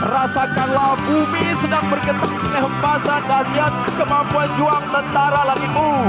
rasakanlah bumi sedang bergetar dengan hemfasan nasihat kemampuan juang tentara langitmu